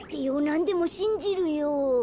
なんでもしんじるよ。